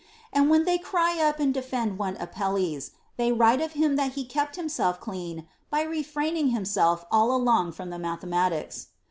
And when they cry up and defend one Apelles, they write of him that he kept himself clean by refraining himself all along from the mathematics.